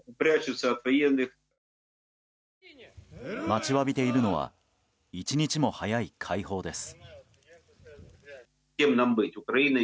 待ちわびているのは一日も早い解放です。